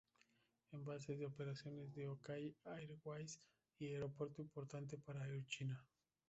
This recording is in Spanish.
Es base de operaciones de Okay Airways y aeropuerto importante para Air China.